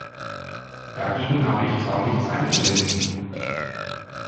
Dagegen habe ich zwar nichts einzuwenden.